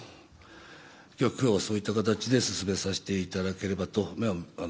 今日はそういった形で進めさせていただければと。